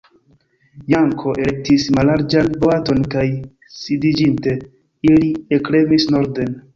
Janko elektis mallarĝan boaton kaj sidiĝinte, ili ekremis norden.